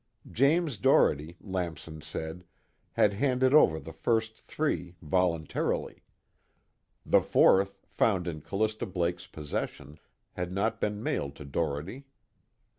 James Doherty, Lamson said, had handed over the first three voluntarily. The fourth, found in Callista Blake's possession, had not been mailed to Doherty.